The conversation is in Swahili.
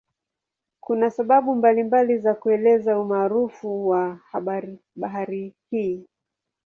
Kuna sababu mbalimbali za kuelezea umaarufu wa bahari hii.